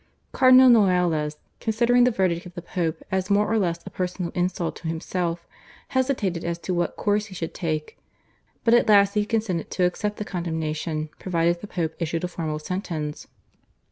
Cardinal Noailles, considering the verdict of the Pope as more or less a personal insult to himself, hesitated as to what course he should take, but at last he consented to accept the condemnation provided the Pope issued a formal sentence.